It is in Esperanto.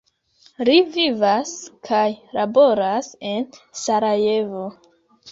Li vivas kaj laboras en Sarajevo.